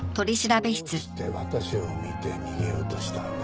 どうして私を見て逃げようとしたんだ？